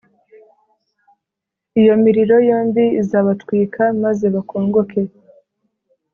iyo miriro yombi izabatwika maze bakongoke,